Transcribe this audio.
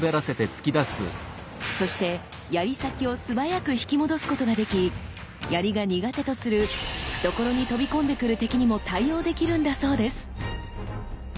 そして槍先を素早く引き戻すことができ槍が苦手とする懐に飛び込んでくる敵にも対応できるんだそうです。